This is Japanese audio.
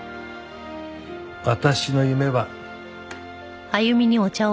私の夢は。